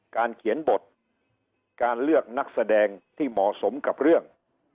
เขียนบทการเลือกนักแสดงที่เหมาะสมกับเรื่อง